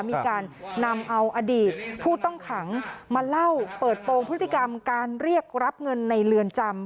มีการนำเอาอดีตผู้ต้องขังมาเล่าเปิดโปรงพฤติกรรมการเรียกรับเงินในเรือนจำ